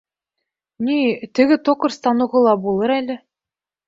Ни, теге токарь станогы ла булыр әле...